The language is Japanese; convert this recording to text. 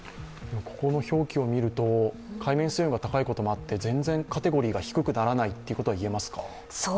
ここの表記を見ると、海面水温が高いこともあって、カテゴリーが全然低くならないということもありますか。